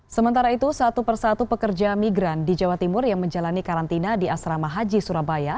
sementara itu satu persatu pekerja migran di jawa timur yang menjalani karantina di asrama haji surabaya